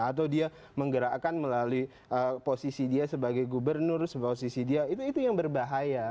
atau dia menggerakkan melalui posisi dia sebagai gubernur posisi dia itu yang berbahaya